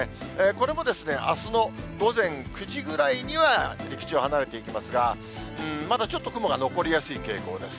これもあすの午前９時ぐらいには、陸地を離れていきますが、まだちょっと雲が残りやすい傾向です。